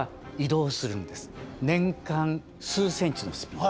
年間数ｃｍのスピード。